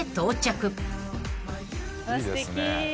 すてき！